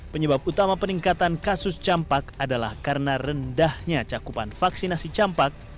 penyebab utama peningkatan kasus campak adalah karena rendahnya cakupan vaksinasi campak